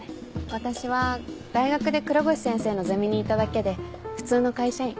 私は大学で黒越先生のゼミにいただけで普通の会社員。